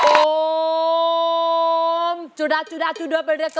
โอ้มสวัสดีค่ะ